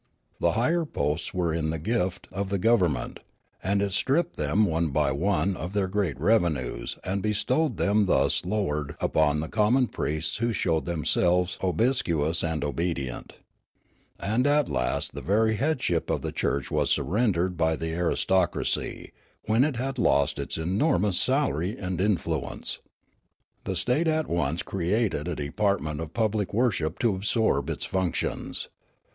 The higher posts were in the gift of the gov ernment ; and it stripped them one by one of their great revenues and bestowed them thus lowered upon the common priests who showed themselves obsequious and obedient. And at last the very headship of the church w as surrendered by the aristocracy, when it had lost its enormous salary and influence. The state at once created a department of public worship to absorb its functions.